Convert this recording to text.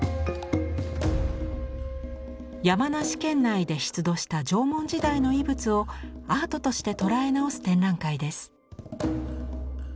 山梨県内で出土した縄文時代の遺物をアートとして捉え直す展覧会です。